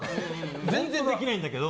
全然できないんだけど。